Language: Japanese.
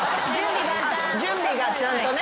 準備がちゃんとね。